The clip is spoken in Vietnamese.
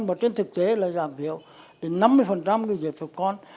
mà trên thực tế là giảm thiểu đến năm mươi về việt con